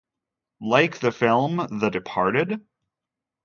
Like the film "The Departed".